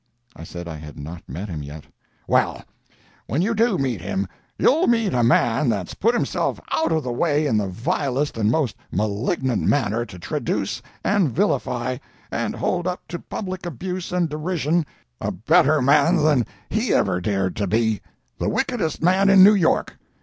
I said I had not met him yet. "Well, when you do meet him you'll meet a man that's put himself out of the way in the vilest and most malignant manner to traduce and vilify, and hold up to public abuse and derision, a better man than he ever dared to be!—the wickedest man in New York!